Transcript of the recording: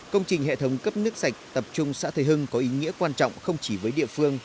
công trình hệ thống cấp nước sạch tập trung xã thế hưng có ý nghĩa quan trọng không chỉ với địa phương